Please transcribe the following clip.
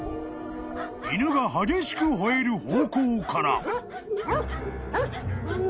［犬が激しく吠える方向から］